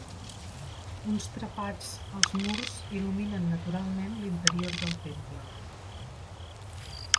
Uns trepats als murs il·luminen naturalment l'interior del temple.